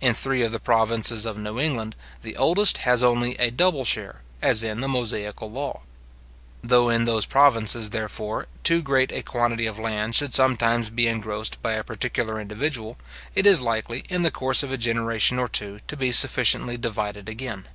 In three of the provinces of New England, the oldest has only a double share, as in the Mosaical law. Though in those provinces, therefore, too great a quantity of land should sometimes be engrossed by a particular individual, it is likely, in the course of a generation or two, to be sufficiently divided again.